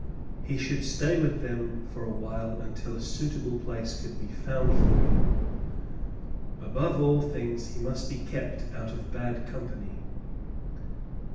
He should stay with them for a while until a suitable place could be found for him. Above all things he must be kept out of bad company.